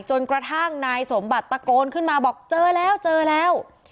จนกระทั่งนายสมบัติตะโกนขึ้นมาบอกเจอแล้วเจอแล้ว